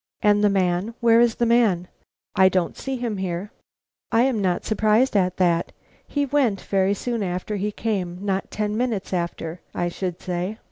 "And the man? Where is the man? I don't see him here." "I am not surprised at that. He went very soon after he came, not ten minutes after, I should say.